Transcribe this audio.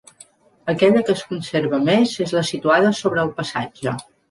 Aquella que es conserva més és la situada sobre el passatge.